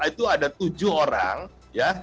itu ada tujuh orang ya